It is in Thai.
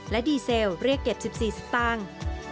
และดีเซลเรียกเก็บ๑๔สตางค์